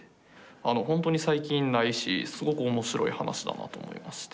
あのほんとに最近ないしすごく面白い話だなと思いまして。